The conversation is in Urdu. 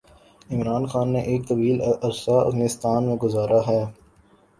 عمران خان نے ایک طویل عرصہ انگلستان میں گزارا ہے۔